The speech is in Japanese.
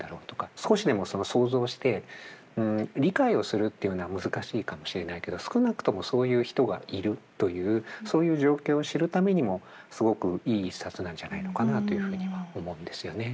少しでも想像して理解をするっていうのは難しいかもしれないけど少なくともそういう人がいるというそういう状況を知るためにもすごくいい一冊なんじゃないのかなというふうには思うんですよね。